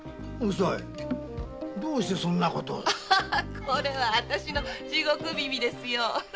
これは私の地獄耳ですよ。